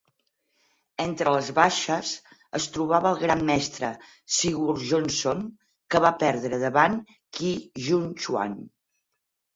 Entre les baixes es trobava el Gran Mestre Sigurjonsson, que va perdre davant Qi Jung Xuan.